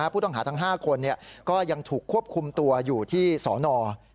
ผู้ต้องหาทั้ง๕คนก็ยังถูกควบคุมตัวอยู่ที่สน